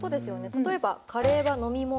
例えば「カレーは飲み物。」。